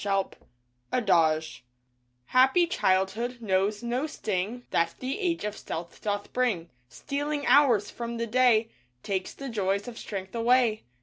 DAY DREAMS ADAGE Happy childhood knows no sting That the age of stealth doth bring. Stealing hours from the day Takes the joys of strength away.